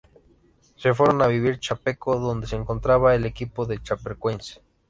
Se fueron a vivir a Chapecó, donde se encontraba el equipo de Chapecoense.